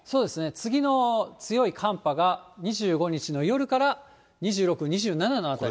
次の強い寒波が２５日の夜から、２６、２７のあたり。